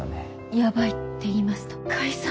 ヤバいっていいますと。解散。